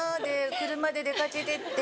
車で出かけてって。